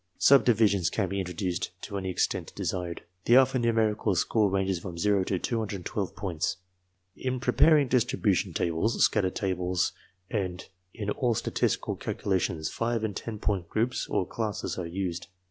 Subdivi sions can be introduced to any extent desired. The alpha numerical score ranges from to 212 points. In preparing distribution tables, scatter tables, and in all statistical calcu lations 5 and 10 point groups or classes are used.